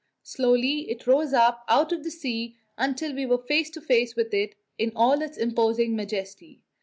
Slowly it rose up out of the sea until we were face to face with it in all its imposing majesty.